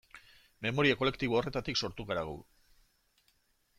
Memoria kolektibo horretatik sortu gara gu.